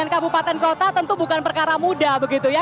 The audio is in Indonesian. sembilan kabupaten kota tentu bukan perkara mudah begitu ya